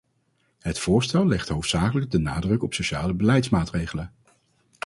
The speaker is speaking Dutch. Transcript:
Het voorstel legt hoofdzakelijk de nadruk op sociale beleidsmaatregelen.